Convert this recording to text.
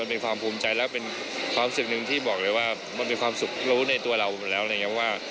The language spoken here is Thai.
เป็นความภูมิใจแล้วเป็นความสุขหนึ่งที่บอกเลยว่ามันเป็นความสุขรู้ในตัวเราอยู่แล้วอะไรอย่างนี้ว่า